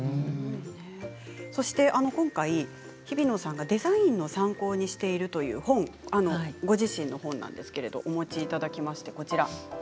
今回、ひびのさんがデザインの参考にしているという本もご自身の本なんですけどお持ちいただきました。